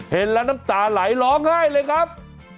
เห็นแล้วน้ำตาไหลร้องไห้เลยครับ